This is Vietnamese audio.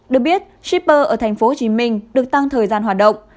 được biết shipper ở tp hcm được tăng thời gian hoạt động